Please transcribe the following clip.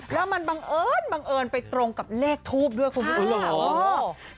แล้วมันบังเอิญบังเอิญไปตรงกับเลขทูบด้วยคุณผู้ชมค่ะ